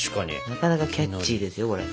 なかなかキャッチーですよこれ。